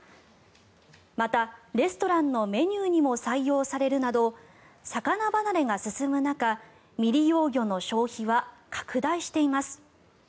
また、レストランのメニューにも採用されるなど魚離れが進む中未利用魚の消費は拡大しています。